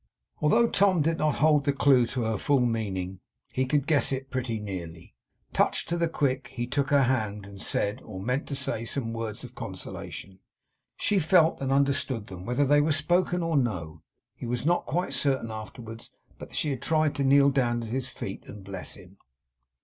Although Tom did not hold the clue to her full meaning, he could guess it pretty nearly. Touched to the quick, he took her hand and said, or meant to say, some words of consolation. She felt and understood them, whether they were spoken or no. He was not quite certain, afterwards, but that she had tried to kneel down at his feet, and bless him.